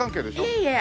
いえいえ。